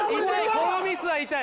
このミスは痛い。